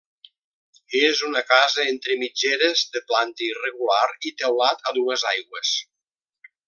És una casa entre mitgeres de planta irregular i teulat a dues aigües.